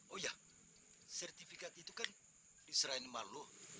oh iya sertifikat itu kan diserahin sama lo